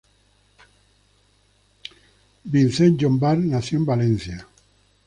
Vicent Llombart nació en Valencia.